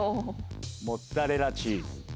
モッツァレラチーズ！